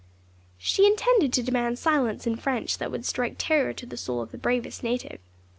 She intended to demand silence in French that would strike terror to the soul of the bravest native.